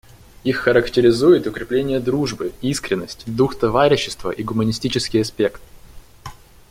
Их характеризует укрепление дружбы, искренность, дух товарищества и гуманистичный аспект.